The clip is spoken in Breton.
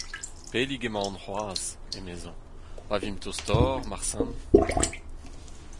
Pellik emaon c’hoazh, emezañ. Pa vimp tostoc’h, marteze…